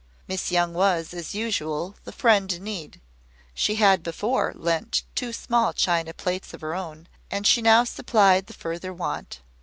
Miss Young was, as usual, the friend in need. She had before lent two small china plates of her own; and she now supplied the further want.